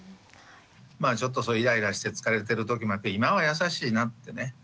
まあちょっとイライラして疲れてるときもあって今は優しいなってね